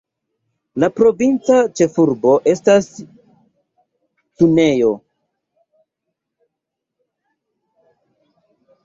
La provinca ĉefurbo estas Cuneo.